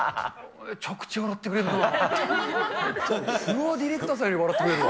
めちゃくちゃ笑ってくれるな。